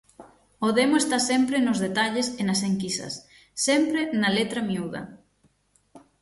O demo está sempre nos detalles e nas enquisas, sempre na letra miúda.